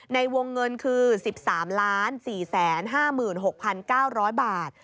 ในวงเงินคือ๑๓๔๕๖๙๐๐บาท